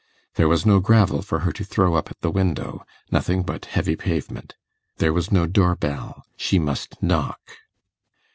There was no gravel for her to throw up at the window, nothing but heavy pavement; there was no door bell; she must knock.